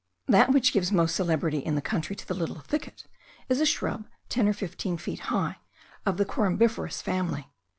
That which gives most celebrity in the country to the little thicket, is a shrub ten or fifteen feet high, of the corymbiferous family.